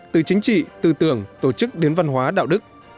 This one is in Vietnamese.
từ chính trị tư tưởng tổ chức đến văn hóa đạo đức